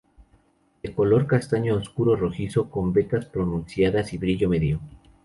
De color castaño oscuro rojizo, con vetas pronunciadas y brillo medio.